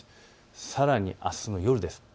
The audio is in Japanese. さらに、あすの夜です。